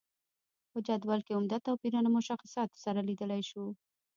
په جدول کې عمده توپیرونه مشخصاتو سره لیدلای شو.